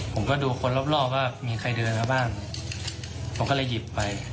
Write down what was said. ผมก็ดูคนรอบรอบว่ามีใครเดินมาบ้างผมก็เลยหยิบไป